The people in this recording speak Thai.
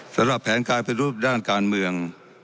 สำหรับแผนการปฏิรูปด้านการเมือง